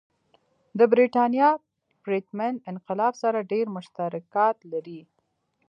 د برېټانیا پرتمین انقلاب سره ډېر مشترکات لري.